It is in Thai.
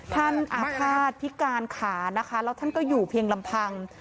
ท่านอาฆาตพิการขาแล้วท่านก็อยู่เพียงลำพัง